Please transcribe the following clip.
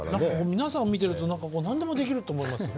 皆さんを見てると何でもできると思いますよ。